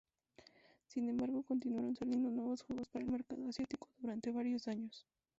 Sin embargo, continuaron saliendo nuevos juegos para el mercado asiático durante varios años.